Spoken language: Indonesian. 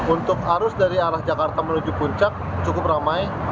untuk arus dari arah jakarta menuju puncak cukup ramai